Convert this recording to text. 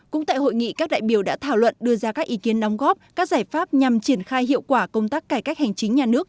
cũng tại hội nghị các đại biểu đã thảo luận đưa ra các ý kiến đóng góp các giải pháp nhằm triển khai hiệu quả công tác cải cách hành chính nhà nước